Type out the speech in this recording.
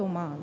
rời bỏ nghề